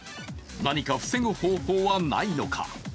何か防ぐ方法はないのか。